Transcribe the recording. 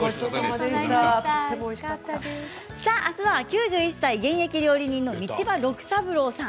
明日は９１歳現役料理人の道場六三郎さん。